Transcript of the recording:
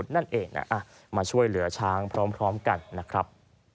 นั่นเองมาช่วยเหลือช้างพร้อมกันนะครับ